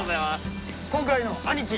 今回の兄貴。